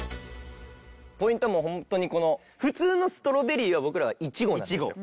ポイントはもうホントにこの普通のストロベリーは僕らはイチゴなんですよ。